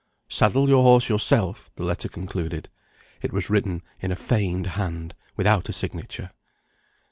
"Saddle your horse yourself," the letter concluded. It was written in a feigned hand, without a signature.